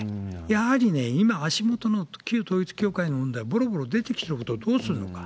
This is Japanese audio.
やはりね、今、足元の旧統一教会の問題、ぼろぼろ出てきてることをどうするのか。